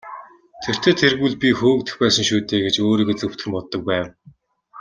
Тэртэй тэргүй л би хөөгдөх байсан шүү дээ гэж өөрийгөө зөвтгөн боддог байв.